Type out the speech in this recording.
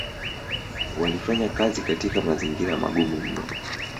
walifanya kazi katika mazingira magumu mno